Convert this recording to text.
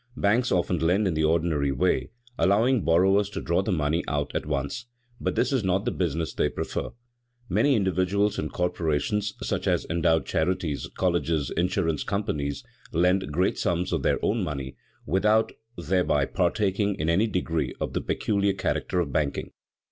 _ Banks often lend in the ordinary way, allowing borrowers to draw the money out at once, but this is not the business they prefer. Many individuals and corporations, such as endowed charities, colleges, insurance companies, lend great sums of their own money without thereby partaking in any degree of the peculiar character of banking.